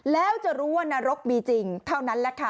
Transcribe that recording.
แล้วจะรู้ว่านรกมีจริงเท่านั้นแหละค่ะ